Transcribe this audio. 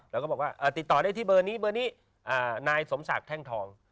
แล้วก็บอกว่าติดต่อได้ที่เบอร์นี้เบอร์นี้นายสมศักดิ์แท่งทอง